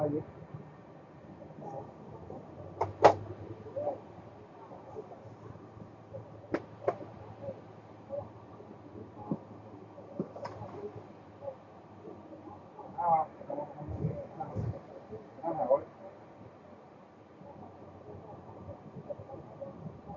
อ้าวสิบสี่สิบหนึ่งเกี่ยวสิบห้าสิบสี่สิบห้ายัง